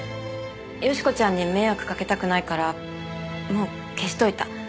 良子ちゃんに迷惑かけたくないからもう消しといた。